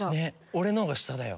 俺の方が下だよ。